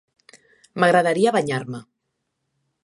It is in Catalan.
M'agradaria banyar-me.